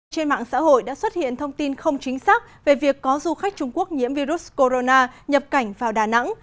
trên mạng xã hội đã xuất hiện thông tin không chính xác về việc có du khách trung quốc nhiễm virus corona nhập cảnh vào đà nẵng